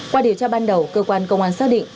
qua điều tra ban đầu cơ quan công an xác định